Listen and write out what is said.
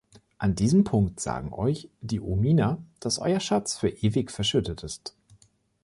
An diesem Punkt sagen Euch die Omina, dass Euer Schatz für ewig verschüttet ist.